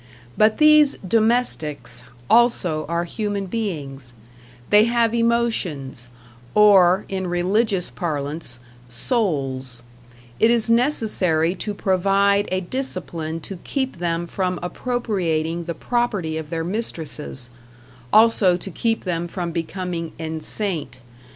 But these "domestics" also are human beings; they have emotions or, in religious parlance, "souls;" it is necessary to provide a discipline to keep them from appropriating the property of their mistresses, also to keep them from becoming #enceinte.